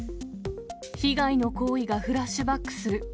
被害の行為がフラッシュバックする。